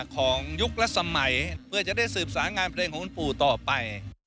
ยุคและสมัยเพื่อจะได้สืบสารงานเพลงของคุณปู่ต่อไป